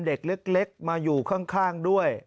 เด็กเล็กมาอยู่ข้างด้วย